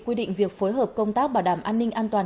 quy định việc phối hợp công tác bảo đảm an ninh an toàn